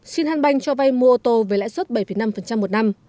shinhan bank cho vay mua ô tô với lãi suất bảy năm một năm